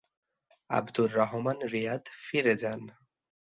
Abdur Rahman Riyadh ফিরে যান।